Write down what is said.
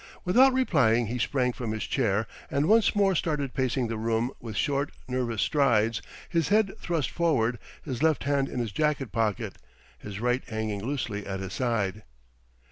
Without replying he sprang from his chair, and once more started pacing the room with short, nervous strides, his head thrust forward, his left hand in his jacket pocket, his right hanging loosely at his side.